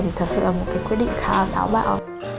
thì thật sự là một cái quyết định khá là táo bạo